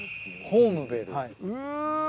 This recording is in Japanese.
ホームベルうわ。